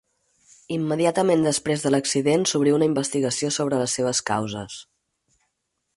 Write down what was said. Immediatament després de l'accident s'obrí una investigació sobre les seves causes.